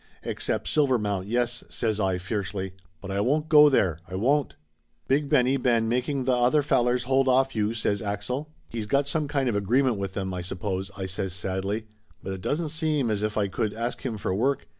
"Except Silvermount, yes!" says I fiercely. "But I won't go there! I won't!" "Big Benny ban making tha other fallars hold off you," says Axel. "He's got some kind of agreement with them, I sup pose," I says sadly. "But it doesn't seem as if I could ask him for work.